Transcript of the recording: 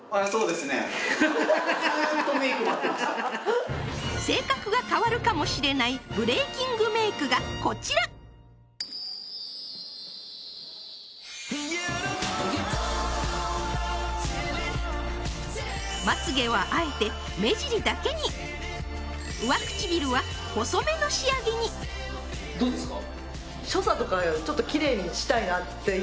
ずーっとメイク待ってました性格が変わるかもしれないブレイキングメイクがこちらまつげはあえて目尻だけに上唇は細めの仕上げにどうですか？